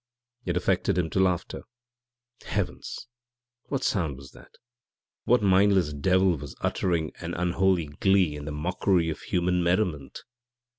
It affected him to laughter. Heavens! what sound was that? what mindless devil was uttering an unholy glee in mockery of human merriment?